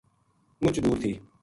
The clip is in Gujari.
مُچ دور تھی